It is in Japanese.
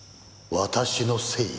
私のせいだ